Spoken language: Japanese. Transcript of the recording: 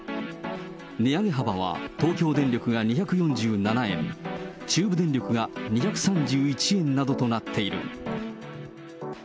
値上げ幅は、東京電力が２４７円、中部電力が２３１円などとなっている。